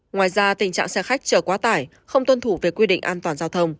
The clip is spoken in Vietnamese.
ngoài ra tình trạng xe khách chở quá tải không tuân thủ về quy định an toàn giao thông